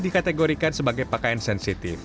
dikategorikan sebagai pakaian sensitif